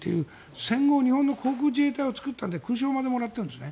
戦後、日本の航空自衛隊を作って勲章までもらっているんです。